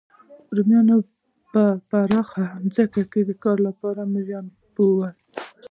رومیانو په پراخو ځمکو کې د کار لپاره مریان بیول